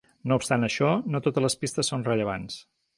No obstant això, no totes les pistes són rellevants.